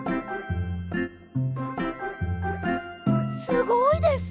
すごいです！